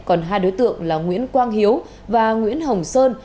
còn hai đối tượng là nguyễn quang hiếu và nguyễn hồng sơn